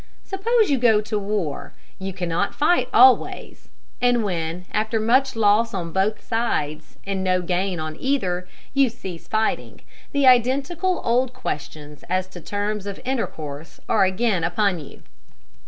Suppose you go to war, you cannot fight always; and when, after much loss on both sides and no gain on either, you cease fighting, the identical old questions as to terms of intercourse are again upon you....